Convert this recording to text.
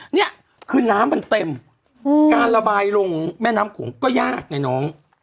นี่คือน้ำมันเต็มการระบายลงแม่น้ำโขงก็ยากไงน้อง